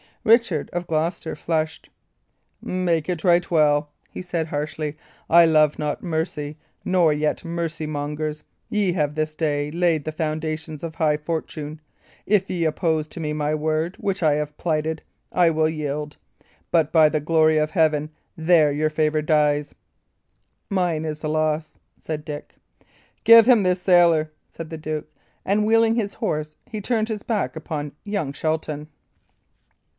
Richard of Gloucester flushed. "Mark it right well," he said, harshly. "I love not mercy, nor yet mercymongers. Ye have this day laid the foundations of high fortune. If ye oppose to me my word, which I have plighted, I will yield. But, by the glory of heaven, there your favour dies! "Mine is the loss," said Dick. "Give him his sailor," said the duke; and wheeling his horse, he turned his back upon young Shelton.